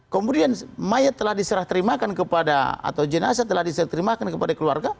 kemudian mayat telah diserah terima kepada atau jenazah telah diserah terima kepada keluarga